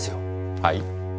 はい？